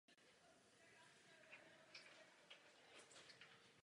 V Evropě se vyskytují tři rody.